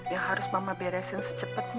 yang harus mama beresin secepetnya